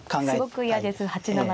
すごく嫌です８七歩。